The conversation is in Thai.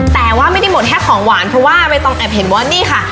แต่ว่าไม่ได้หมดแค่ของหวานเพราะว่าใบตองแอบเห็นว่านี่ค่ะ